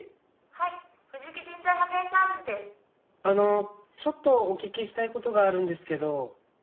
あのちょっとお聞きしたい事があるんですけど。